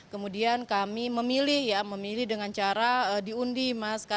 kemudian kami memilih ya memilih dengan cara diundi mas